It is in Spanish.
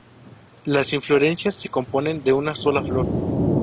Las inflorescencias se componen de una sola flor.